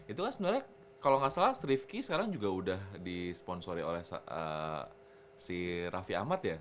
itu kan sebenarnya kalau gak salah streefky sekarang juga udah di sponsori oleh si raffi ahmad ya